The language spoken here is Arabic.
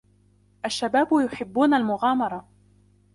الشباب يحبون المغامرة.